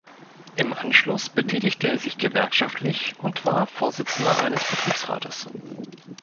Im Anschluss betätigte er sich gewerkschaftlich und war Vorsitzender eines Betriebsrates.